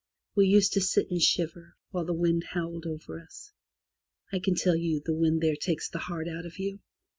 We used to sit and shiver, while the wind howled over us. I can tell you, the wind there takes the heart out of you.